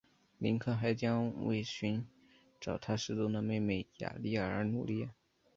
林克还将为寻找他失踪的妹妹雅丽儿而努力。